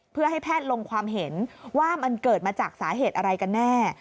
เพื่อให้แพทย์ลงความเห็นว่ามันเกิดมาจากสาเหตุอะไรกันแน่